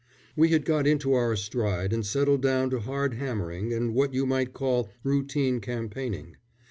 We had got into our stride and settled down to hard hammering and what you might call routine campaigning.